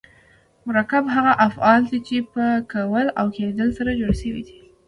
مرکب هغه افعال دي، چي په کول او کېدل سره جوړ سوي یي.